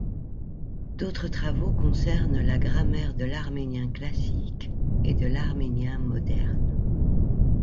D'autres travaux concernent la grammaire de l'arménien classique et de l'arménien moderne.